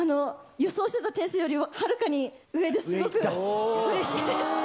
予想してた点数よりはるかに上ですごくうれしいです。